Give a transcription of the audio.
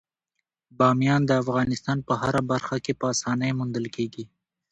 بامیان د افغانستان په هره برخه کې په اسانۍ موندل کېږي.